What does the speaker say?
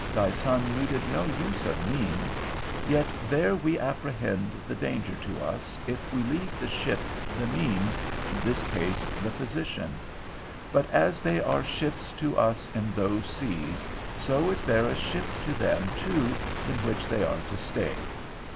_ Thy Son needed no use of means; yet there we apprehend the danger to us, if we leave the ship, the means, in this case the physician. But as they are ships to us in those seas, so is there a ship to them too in which they are to stay.